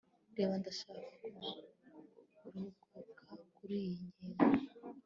reba, ndashaka kugororoka kuriyi ngingo